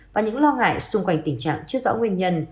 và những lo ngại xung quanh tình trạng chưa rõ nguyên nhân